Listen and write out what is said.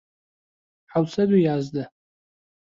حەوت سەد و یازدە